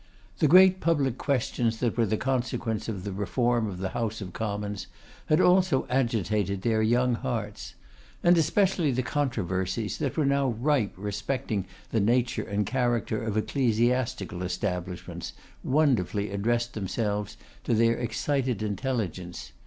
The great public questions that were the consequence of the Reform of the House of Commons, had also agitated their young hearts. And especially the controversies that were now rife respecting the nature and character of ecclesiastical establishments, wonderfully addressed themselves to their excited intelligence.